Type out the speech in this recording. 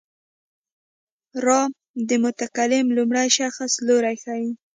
را د متکلم لومړی شخص لوری ښيي.